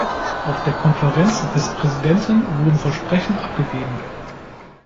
Auf der Konferenz des Präsidenten wurden Versprechen abgegeben.